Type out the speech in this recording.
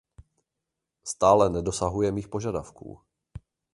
Stále nedosahuje mých požadavků.